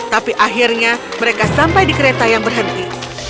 tapi akhirnya mereka sampai di kereta yang berhenti